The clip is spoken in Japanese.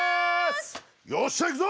よっしゃ行くぞ！